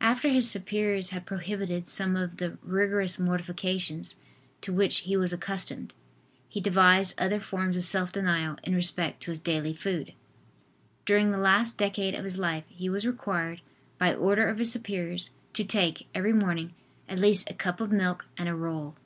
After his superiors had prohibited some of the rigorous mortifications to which he was accustomed, he devised other forms of self denial in respect to his daily food. During the last decade of his life he was required, by order of his superiors, to take, every morning, at least a cup of milk and a roll.